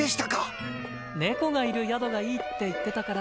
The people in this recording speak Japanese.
猫がいる宿がいいって言ってたから。